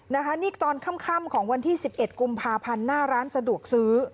นะคะนี่ตอนค่ำของวันที่๑๑กุมภาพันธ์หน้าร้านสะดวกซื้อ